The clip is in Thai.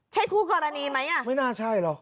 ใช่คู่กรณีไหมอ่ะไม่น่าใช่หรอก